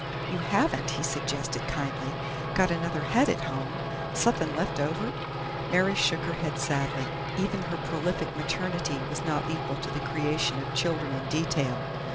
"You haven't," he suggested kindly, "got another head at home suthin' left over," Mary shook her head sadly; even her prolific maternity was not equal to the creation of children in detail.